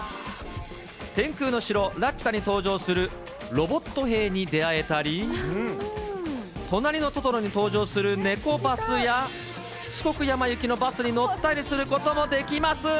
天空の城ラピュタに登場するロボット兵に出会えたり、となりのトトロに登場するネコバスや、七国山行きのバスに乗ったりすることもできます。